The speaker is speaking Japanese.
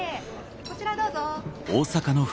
こちらへどうぞ。